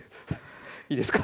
いいですか。